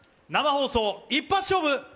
生放送一発勝負！